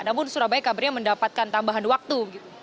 namun surabaya kabarnya mendapatkan tambahan waktu